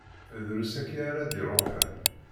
Drus akya ara d-iṛuḥen.